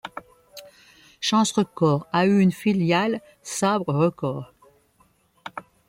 Chance Records a eu une filiale, Sabre Records.